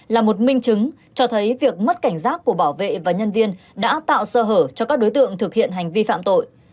là một minh chứng cho thấy việc mất cảnh giác của bảo vệ và nhân viên đã tạo sơ hở cho các đối tượng thực hiện hành vi phạm tội